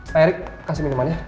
pak erik kasih minuman ya